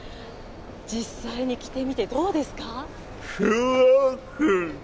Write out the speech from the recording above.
実際に着てみてどうですか？